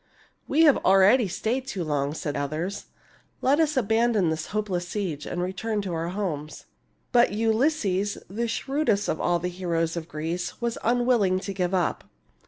" We have already stayed too long," said others. " Let us abandon this hopeless siege and return to our homes." But Ulysses, the shrewdest of all the heroes of Greece, was unwilling to give up.